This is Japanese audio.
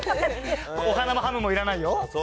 お花もハムもいらないよ。